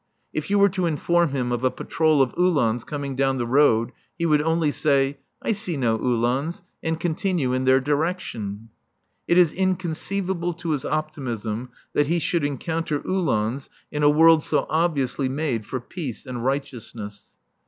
If you were to inform him of a patrol of Uhlans coming down the road, he would only say, "I see no Uhlans," and continue in their direction. It is inconceivable to his optimism that he should encounter Uhlans in a world so obviously made for peace and righteousness.